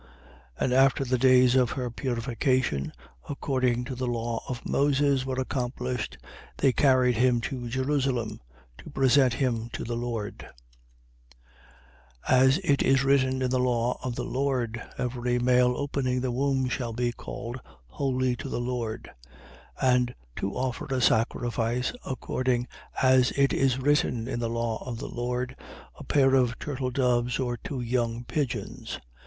2:22. And after the days of her purification, according to the law of Moses, were accomplished, they carried him to Jerusalem, to present him to the Lord: 2:23. As it is written in the law of the Lord: Every male opening the womb shall be called holy to the Lord: 2:24. And to offer a sacrifice, according as it is written in the law of the Lord, a pair of turtledoves or two young pigeons: 2:25.